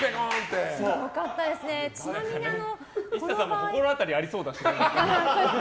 ＩＳＳＡさんも心当たりありそうだしね。